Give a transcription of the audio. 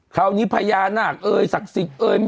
คราวนี้พญานาคเอ่ยศักดิ์สิทธิ์เอ่ย